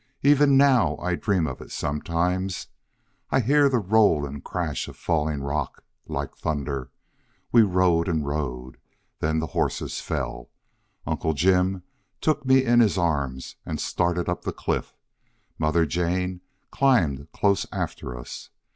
Even now I dream of it sometimes. I hear the roll and crash of falling rock like thunder.... We rode and rode. Then the horses fell. Uncle Jim took me in his arms and started up the cliff. Mother Jane climbed close after us.